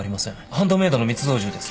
ハンドメイドの密造銃です